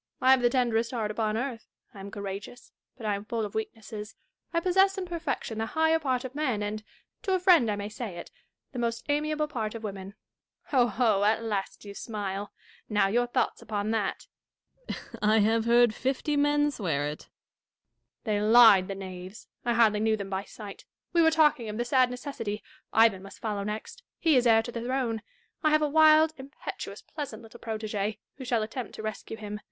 I have the tenderest heai't upon earth. I am courageous, but I am full of weaknesses. I possess in perfection the higher part of men, and — to a friend I may say it — the most amiaV)le part of women. Ho, ho ! at last you smile : now, your thoughts upon that. Dashkof. I have heard fifty men swear it. Catharine. They lied, the knaves ! I hardly knew them by sight. We were talking of the sad necessity. — Ivan must follow next : he is heir to the throne. I have a wild, impetuous, pleasant little protege, who shall attempt to rescue him.